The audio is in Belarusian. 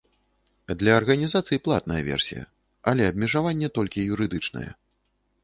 Для арганізацый платная версія, але абмежаванне толькі юрыдычнае.